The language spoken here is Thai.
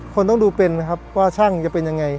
คนต้องดูเป็นนะครับว่าช่างจะเป็นยังไง